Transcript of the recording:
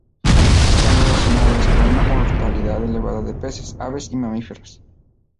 Están relacionadas con una mortalidad elevada de peces, aves y mamíferos.